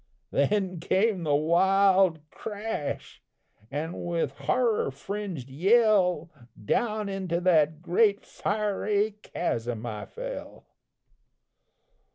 Then came the wild crash, an' with horror fringed yell Down into that great fiery chasm I fell.